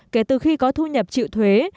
kể từ khi có thu nhập trịu thuế